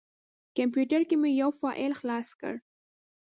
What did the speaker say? کمپیوټر کې مې یو فایل خلاص کړ.